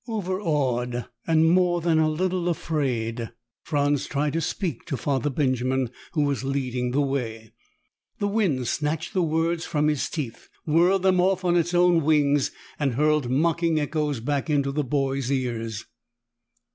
Overawed and more than a little afraid, Franz tried to speak to Father Benjamin, who was leading the way. The wind snatched the words from his teeth, whirled them off on its own wings and hurled mocking echoes back into the boy's ears.